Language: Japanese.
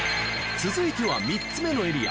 続いては３つ目のエリア